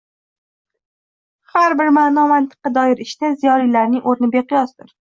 Har bir ma’no-mantiqqa doir ishda ziyolilarning o‘rni beqiyosdir.